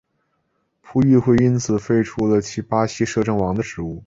葡议会因此废黜了其巴西摄政王的职务。